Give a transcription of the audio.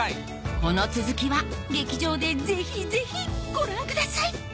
この続きは劇場でぜひぜひご覧ください